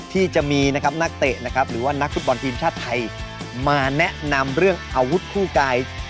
ที่จะมีนะครับนักเตะนะครับหรือว่านักฟุตบอลทีมชาติไทยมาแนะนำเรื่องอาวุธคู่กาย